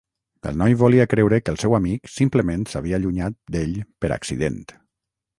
El noi volia creure que el seu amic simplement s'havia allunyat d'ell per accident.